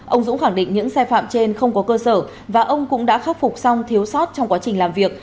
ông dũng khẳng định những sai phạm trên không có cơ sở và ông cũng đã khắc phục xong thiếu sót trong quá trình làm việc